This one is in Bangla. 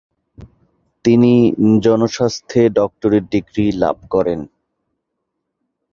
তিনি জনস্বাস্থ্যে ডক্টরেট ডিগ্রি লাভ করেন।